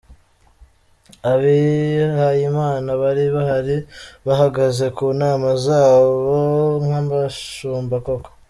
Abihayimana bari bahari, bahagaze ku ntama zabo nk’abashumba koko.